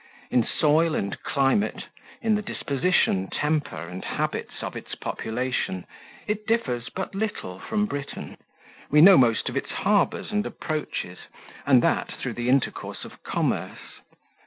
In soil and climate, in the disposition, temper, and habits of its population, it differs but little from Britain. We know most of its harbours and approaches, and that through the intercourse of commerce.